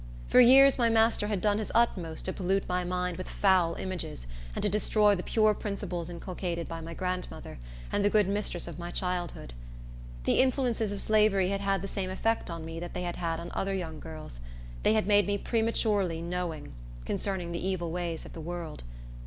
For years, my master had done his utmost to pollute my mind with foul images, and to destroy the pure principles inculcated by my grandmother, and the good mistress of my childhood. The influences of slavery had had the same effect on me that they had on other young girls; they had made me prematurely knowing, concerning the evil ways of the world.